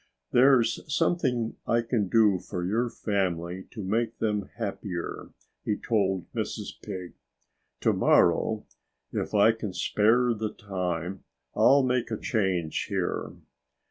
"There's something that I can do for your family to make them happier," he told Mrs. Pig. "To morrow if I can spare the time I'll make a change here.